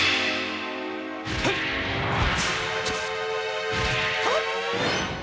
はっ！はっ！